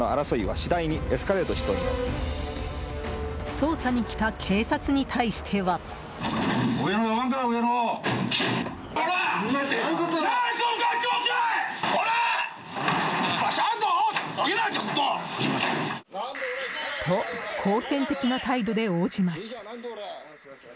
捜査に来た警察に対しては。と、好戦的な態度で応じます。